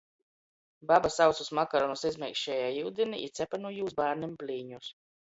Baba sausus makaronus izmeikšēja iudinī i cepe nu jūs bārnim blīņus.